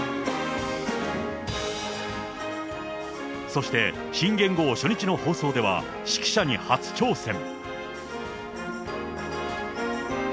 そして新元号初日の放送では、指揮者に初挑戦。